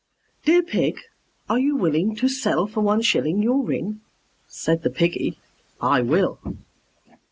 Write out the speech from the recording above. "Dear Pig, are you willing to sell for one shilling Your ring?" Said the Piggy, "I will."